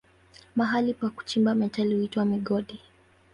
Mahali pa kuchimba metali huitwa migodi.